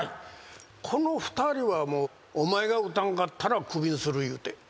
この２人はお前が打たんかったら首にするいうて。